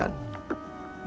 yang memiliki kemampuan